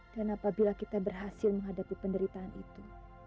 dan apabila kita berhasil menghadapi penderitaan itu